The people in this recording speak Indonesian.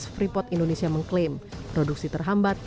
freeport indonesia mengklaim produksi terhambat